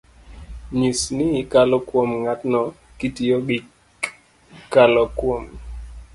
nyis ni ikalo kuom ng'atno kitiyo gi kk-kokalo kuom,